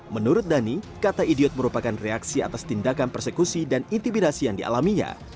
menurut dhani kata idiot merupakan reaksi atas tindakan persekusi dan intimidasi yang dialaminya